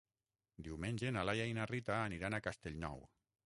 Diumenge na Laia i na Rita aniran a Castellnou.